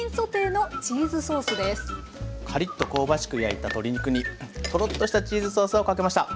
カリッと香ばしく焼いた鶏肉にトロッとしたチーズソースをかけました。